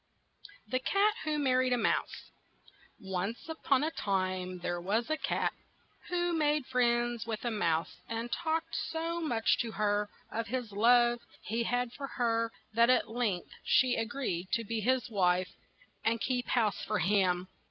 THE CAT WHO MARRIED A MOUSE ONCE on a time there was a cat who made friends with a mouse, and talked so much to her of the love he had for her that at length she a greed to be his wife and keep house for him.